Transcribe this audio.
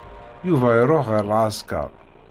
Yuba iruḥ ɣer leɛsker.